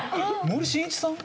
森進一さん？